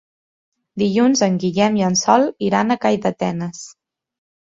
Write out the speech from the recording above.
Dilluns en Guillem i en Sol iran a Calldetenes.